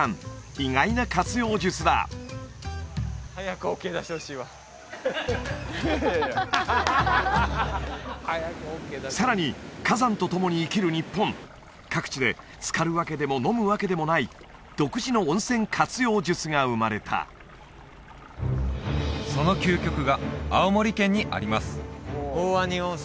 意外な活用術ださらに火山と共に生きる日本各地でつかるわけでも飲むわけでもない独自の温泉活用術が生まれたその究極が青森県にあります